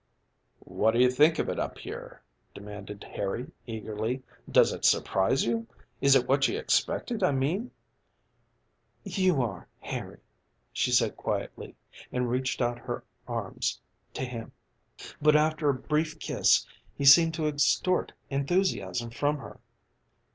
"What do you think of it up here?" demanded Harry eagerly. "Does it surprise you? Is it what you expected I mean?" "You are, Harry," she said quietly, and reached out her arms to him. But after a brief kiss he seemed to extort enthusiasm from her.